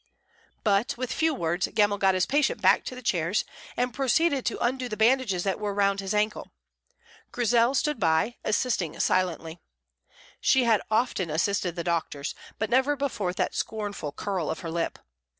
But, with few words, Gemmell got his patient back to the chairs, and proceeded to undo the bandages that were round his ankle. Grizel stood by, assisting silently. She had often assisted the doctors, but never before with that scornful curl of her lip.